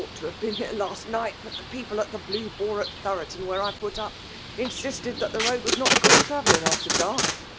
to have been hare last night ; but the people at the Blue Boar at Thwoton, where I put up, insisted that the road was not good travelliog after dark.